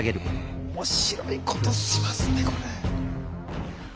面白いことしますねこれ。